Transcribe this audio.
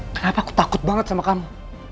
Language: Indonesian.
kenapa aku takut banget sama kamu